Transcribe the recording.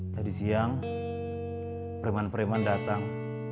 tadi siang preman preman datang